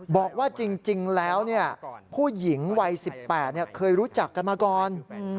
บอกว่าจริงแล้วผู้หญิงวัย๑๘เคยรู้จักกันมาก่อน